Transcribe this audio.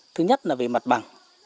thứ nhất là về mặt bằng